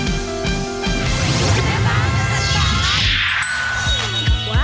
ดูช่ายในฝัน